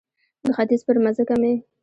د ختیځ پر مځکه مې